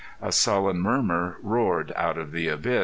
A sullen murmur soared out of the abyss.